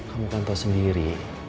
kamu kan tau sendiri